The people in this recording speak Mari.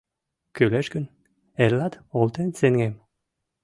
— Кӱлеш гын, эрлат олтен сеҥем.